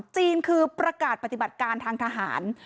จีนคือประกาศปฏิบัติการทางทหาร